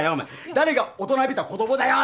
誰が大人びた子供だよ！